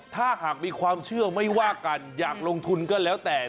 ถ้าหากมีความเชื่อไม่ว่ากันอยากลงทุนก็แล้วแต่